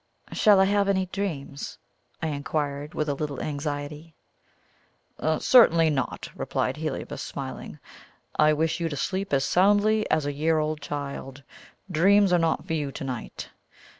"Shall I have any dreams?" I inquired with a little anxiety. "Certainly not," replied Heliobas, smiling. "I wish you to sleep as soundly as a year old child. Dreams are not for you to night.